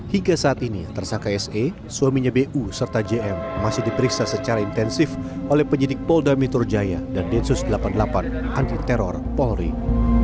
hingga saat ini tersangka se suaminya bu serta jm masih diperiksa secara intensif oleh penyidik polda metro jaya dan densus delapan puluh delapan anti teror polri